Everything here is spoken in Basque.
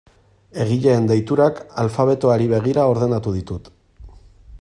Egileen deiturak alfabetoari begira ordenatu ditut.